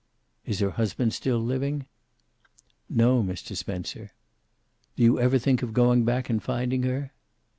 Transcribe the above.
"Is her husband still living?" "No, Mr. Spencer." "Do you ever think of going back and finding her?"